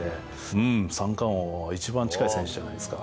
うーん、三冠王に一番近い選手じゃないですか。